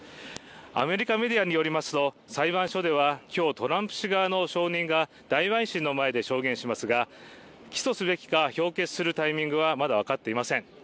アメリカメディアによりますと、裁判所では、今日、トランプ氏側の証人が大陪審の前で証言しますが起訴すべきか評決するタイミングはまだ分かっていません。